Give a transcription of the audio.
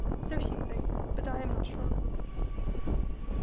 So she thinks, but I am not sure.